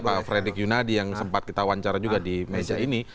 pak frederick yunadi yang sempat kita wawancara juga di meja ini